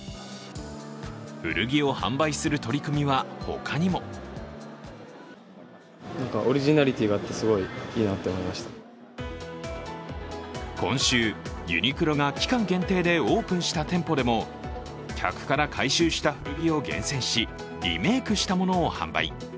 古着を販売する取り組みはほかにも今週ユニクロが期間限定でオープンした店舗でも客から回収した古着を厳選しリメークしたものを販売。